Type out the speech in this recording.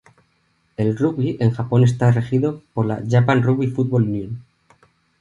El rugby en Japón está regido por la "Japan Rugby Football Union".